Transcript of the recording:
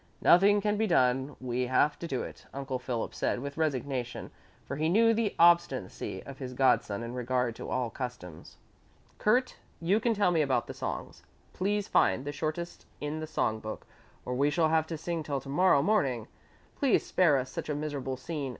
"Nothing can be done, we have to do it," Uncle Philip said with resignation, for he knew the obstinacy of his godson in regard to all customs. "Kurt, you can tell me about the songs; please find the shortest in the song book, or we shall have to sing till to morrow morning. Please spare us such a miserable scene.